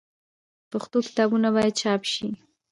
پښتو کتابونه باید چاپ سي.